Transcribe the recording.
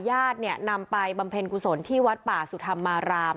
ญาติเนี่ยนำไปบำเพ็ญกุศลที่วัดป่าสุธรรมาราม